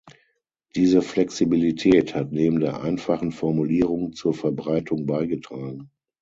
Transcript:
Diese Flexibilität hat neben der einfachen Formulierung zur Verbreitung beigetragen.